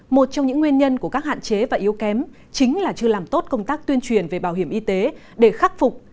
một trong những nguyên nhân của các hạn chế và yếu kém chính là chưa làm tốt công tác tuyên truyền về bảo hiểm y tế để khắc phục